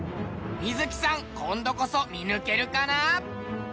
観月さん今度こそ見抜けるかな？